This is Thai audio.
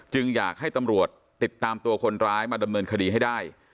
อยากให้ตำรวจติดตามตัวคนร้ายมาดำเนินคดีให้ได้